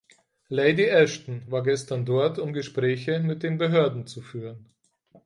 Lady Ashton war gestern dort, um Gespräche mit den Behörden zu führen.